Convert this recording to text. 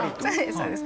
そうです。